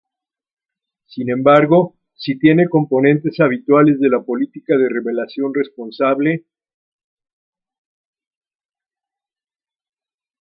Sin embargo si tiene componentes habituales de la política de revelación responsable.